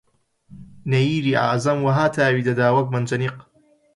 نەییری ئەعزەم وەها تاوی دەدا وەک مەنجەنیق